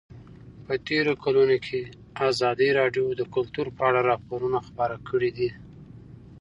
په تېرو کلونو کې ازادي راډیو د کلتور په اړه راپورونه خپاره کړي دي.